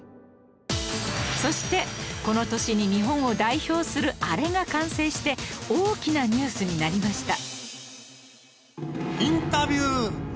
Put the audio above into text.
そしてこの年に日本を代表するアレが完成して大きなニュースになりました